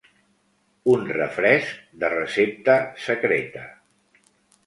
Un refresc de "Recepta secreta".